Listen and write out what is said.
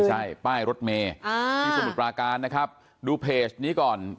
ใช่ป้ายรถเมย์ที่สมุทรปราการนะครับดูเพจนี้ก่อน